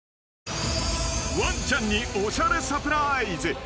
［ワンチャンにおしゃれサプライズ］